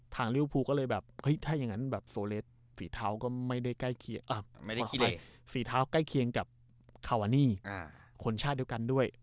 ทางริ้วพูก็เลยแบบถ้าอย่างนั้นโซเลสฟีเท้าก็ไม่ได้ใกล้เคียงกับคาวานี่คนชาติเดียวกันด้วย